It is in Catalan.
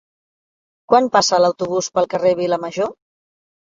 Quan passa l'autobús pel carrer Vilamajor?